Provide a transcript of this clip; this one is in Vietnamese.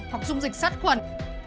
hoặc dùng dịch sắt quần